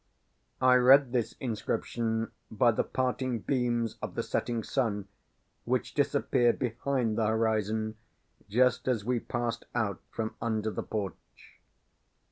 I read this inscription by the parting beams of the setting sun, which disappeared behind the horizon just as we passed out from under the porch.